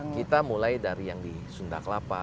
kita mulai dari yang di sunda kelapa